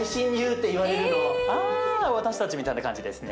あ私たちみたいな感じですね。